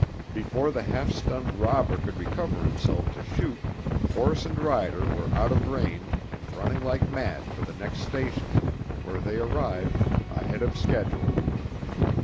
Before the half stunned robber could recover himself to shoot, horse and rider were out of range and running like mad for the next station, where they arrived ahead of schedule.